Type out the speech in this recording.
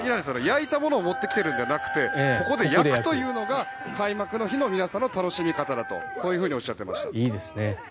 焼いたものを持ってきてるんじゃなくてここで焼くというのが開幕の日の皆さんの楽しみ方だとおっしゃってました。